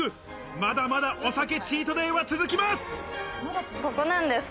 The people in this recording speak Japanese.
まだまだお酒チートデイは続きます。